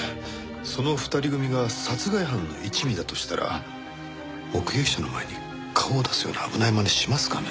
その二人組が殺害犯の一味だとしたら目撃者の前に顔を出すような危ない真似しますかね？